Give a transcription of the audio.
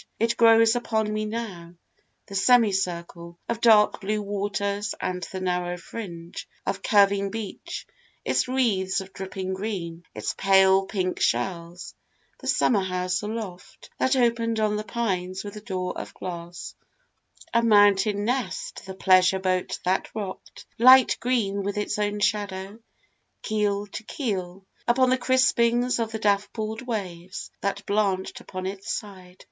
It grows upon me now the semicircle Of dark blue waters and the narrow fringe Of curving beach its wreaths of dripping green Its pale pink shells the summer house aloft That open'd on the pines with doors of glass, A mountain nest the pleasure boat that rock'd Light green with its own shadow, keel to keel, Upon the crispings of the dappled waves That blanched upon its side.